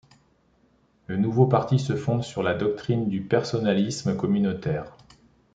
Le nouveau parti se fonde sur la doctrine du personnalisme communautaire.